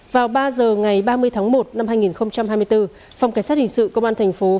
vào ba h ngày ba mươi tháng một năm hai nghìn hai mươi bốn phòng kỳ sát hình sự công an tp hcm